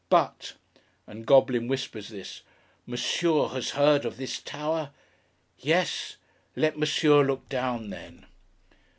'But;' and Goblin whispers this; 'Monsieur has heard of this tower? Yes? Let Monsieur look down, then!